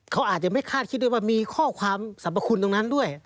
เขาอาจจะไม่คาดคิดด้วยว่ามีข้อความสรรพคุณตรงนั้นด้วย